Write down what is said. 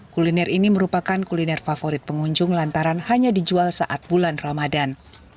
kuliner ini merupakan kuliner favorit pengunjung lantaran hanya dijual saat bulan ramadan